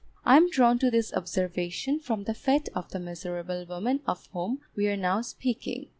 I am drawn to this observation from the fate of the miserable woman of whom we are now speaking.